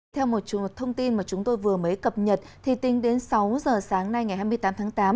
theo một thông tin mà chúng tôi vừa mới cập nhật thì tính đến sáu giờ sáng nay ngày hai mươi tám tháng tám